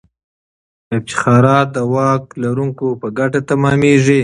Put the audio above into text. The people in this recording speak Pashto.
افتخارات د واک لرونکو په ګټه تمامیږي.